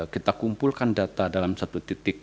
kita kumpulkan data dalam satu titik